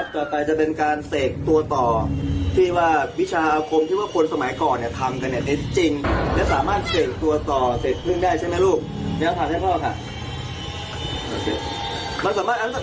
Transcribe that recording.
ต่อไปจะเป็นการเศษตัวต่อที่ว่าวิชาโครมที่ว่าคนสมัยก่อนเนี่ยทำกันเนี่ย